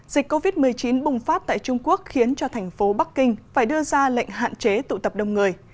dịch covid một mươi chín bùng phát tại trung quốc khiến cho thành phố bắc kinh phải đưa ra lệnh hạn chế tụ tập đông người